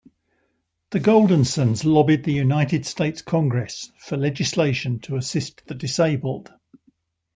The Goldensons lobbied the United States Congress for legislation to assist the disabled.